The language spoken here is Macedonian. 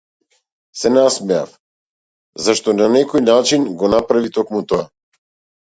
Се насмеав, зашто на некој начин го направи токму тоа.